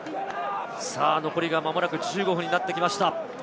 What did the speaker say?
残り、まもなく１５分になってきました。